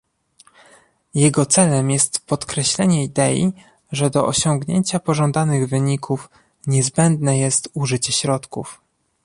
Jego celem jest podkreślenie idei, że do osiągnięcia pożądanych wyników niezbędne jest użycie środków